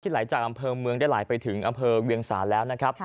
ไหลจากอำเภอเมืองได้ไหลไปถึงอำเภอเวียงศาลแล้วนะครับ